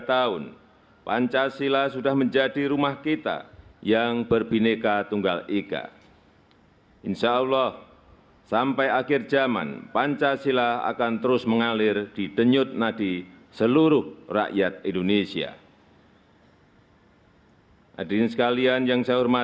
tanda kebesaran buka hormat senjata